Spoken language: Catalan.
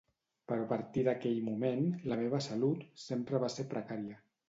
Però a partir d'aquell moment, la seva salut sempre va ser precària.